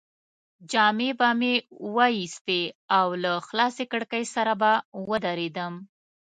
جامې به مې وایستې او له خلاصې کړکۍ سره به ودرېدم.